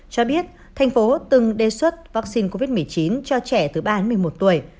cho biết thành phố từng đề xuất vaccine covid một mươi chín cho trẻ từ ba đến một mươi một tuổi